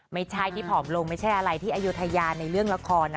ไม่ใช่ที่ผอมลงไม่ใช่อะไรที่อายุทยาในเรื่องละครนะ